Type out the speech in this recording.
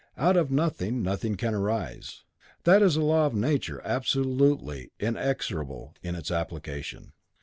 Out of nothing, nothing can arise. That is a law of nature absolutely inexorable in its application.